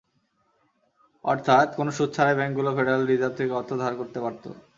অর্থাৎ, কোনো সুদ ছাড়াই ব্যাংকগুলো ফেডারেল রিজার্ভ থেকে অর্থ ধার করতে পারত।